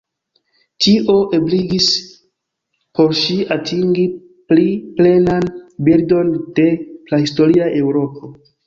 Tio ebligis por ŝi atingi pli plenan bildon de prahistoria Eŭropo.